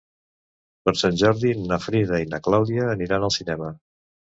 Per Sant Jordi na Frida i na Clàudia aniran al cinema.